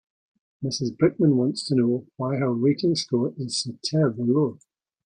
Mrs Brickman wants to know why her rating score is so terribly low.